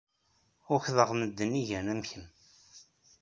Ukḍeɣ medden ay igan am kemm.